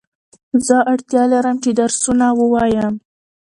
زه اړتیا لرم چي درسونه ووایم